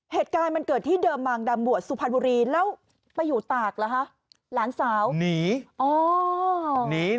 เหตุการณ์มันเกิดที่เดิมมาร์งดำบวชสุพรรณบุรี